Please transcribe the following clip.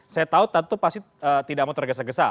saya tahu tentu pasti tidak mau tergesa gesa